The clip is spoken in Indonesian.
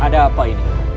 ada apa ini